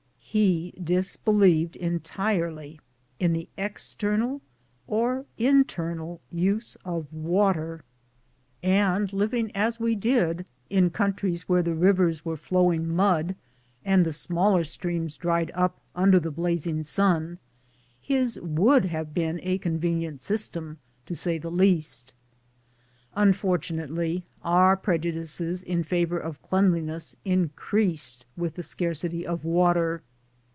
He disbelieved entirely in the external or internal use of water, and living as we did in countries where the rivers were flowing mud, and the smaller streams dried up under the blazing sun, his would have been a convenient system, to say the least. Unfortunately, our prejudices in favor of cleanliness in creased with the scarcity of water.